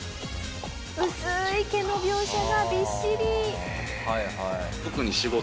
薄ーい毛の描写がびっしり。